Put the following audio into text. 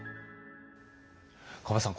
川端さん